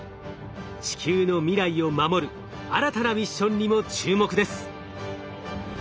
地球の未来を守る新たなミッションにも注目です。